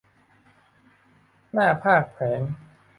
หน้าพาทย์แผลง